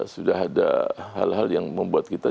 sudah ada hal hal yang membuat kita